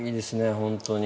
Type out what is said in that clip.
本当に。